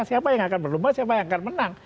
siapa yang akan berlomba siapa yang akan menang